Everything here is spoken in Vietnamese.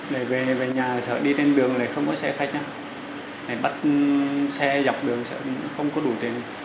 để về nhà sợ đi trên đường để không có xe khách nhá để bắt xe dọc đường sợ không có đủ tiền